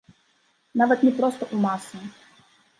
Нават не проста ў масы!